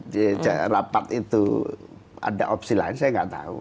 di rapat itu ada opsi lain saya nggak tahu